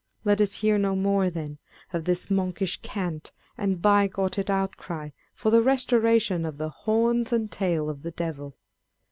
Let us hear no more, then, of this monkish cant, and bigoted out cry for the restoration of the horns and tail of the devil